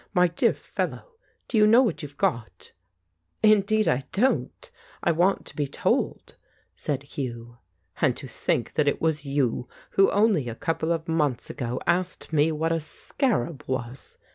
My dear fellow, do you know what you've got ?" 190 The Ape "Indeed I don't. I want to be told," said Hugh. "And to think that it was you who only a couple of months ago asked me what a scarab was